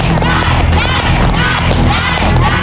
ครอบครัวของแม่ปุ้ยจังหวัดสะแก้วนะครับ